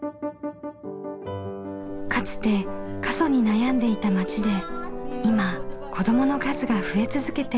かつて過疎に悩んでいた町で今子どもの数が増え続けています。